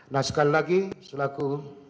nah sekali lagi setelahku